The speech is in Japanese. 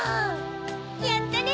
やったね！